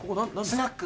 スナック。